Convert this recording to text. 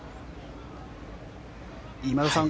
今田さん。